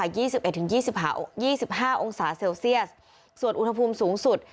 สิบเอ็ดถึงยี่สิบหายี่สิบห้าองศาเซลเซียสส่วนอุณหภูมิสูงสุด